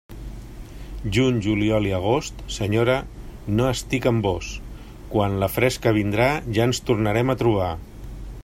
Juny, juliol i agost, senyora, no estic amb vós; quan la fresca vindrà ja ens tornarem a trobar.